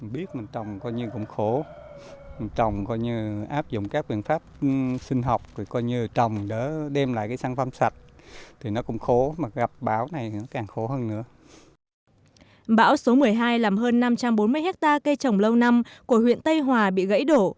bão số một mươi hai làm hơn năm trăm bốn mươi hectare cây trồng lâu năm của huyện tây hòa bị gãy đổ